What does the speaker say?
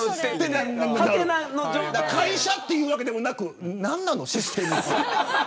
会社というわけでもなく何なのシステムって。